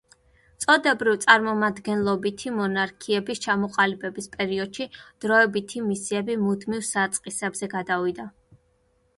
წოდებრივ-წარმომადგენლობითი მონარქიების ჩამოყალიბების პერიოდში დროებითი მისიები მუდმივ საწყისებზე გადავიდა.